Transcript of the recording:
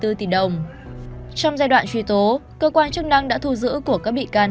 trong giai đoạn truy tố cơ quan chức năng đã thu giữ của các bị can